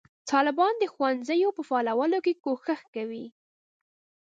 طالبان د ښوونځیو په فعالولو کې کوښښ کوي.